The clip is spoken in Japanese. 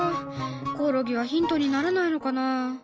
コオロギはヒントにならないのかな。